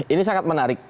ini sangat menarik